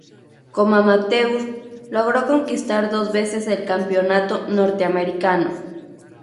Como "amateur", logró conquistar dos veces el Campeonato Norteamericano.